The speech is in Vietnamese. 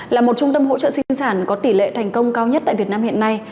là một trung tâm hỗ trợ sinh sản có tỷ lệ thành công cao nhất tại việt nam hiện nay